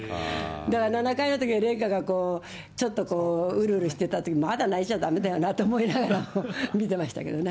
だから７回のときに、麗華がちょっとこう、うるうるしてたとき、まだ泣いちゃだめだよなと思いながら、見てましたけどね。